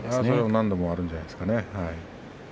何度もあるんじゃないですかね。